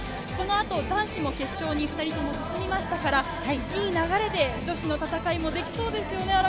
この後、男子も決勝に２人とも進みましたから、いい流れで女子の戦いもできそうですよね。